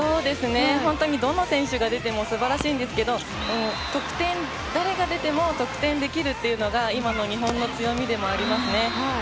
ほんとにどの選手が出ても素晴らしいんですが誰が出ても得点できるというのが今の日本の強みでもありますね。